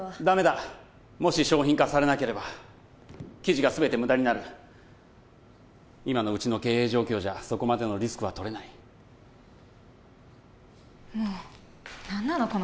ダメだもし商品化されなければ記事が全て無駄になる今のうちの経営状況じゃそこまでのリスクはとれないもうっ何なの？